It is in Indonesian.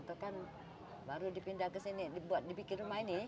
itu kan baru dipindah ke sini dibuat dibikin rumah ini